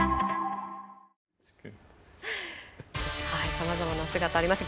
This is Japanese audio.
さまざまな姿がありました。